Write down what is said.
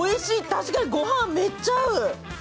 確かにごはん、めっちゃ合う。